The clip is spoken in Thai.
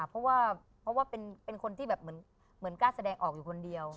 เพราะว่าเพราะว่าเป็นคนที่แบบเหมือนกล้าแสดงออกอยู่คนเดียว